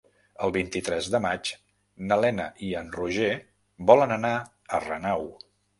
El vint-i-tres de maig na Lena i en Roger volen anar a Renau.